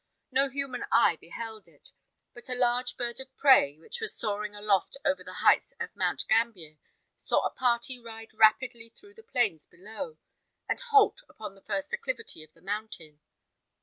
No human eye beheld it, but a large bird of prey, which was soaring aloft over the heights of Mount Gambier, saw a party ride rapidly through the plains below, and halt upon the first acclivity of the mountain.